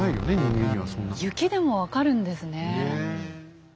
雪でも分かるんですね。